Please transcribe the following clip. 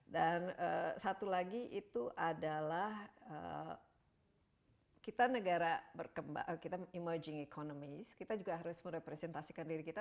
dan satu lagi itu adalah kita negara emerging economy kita juga harus merepresentasikan diri kita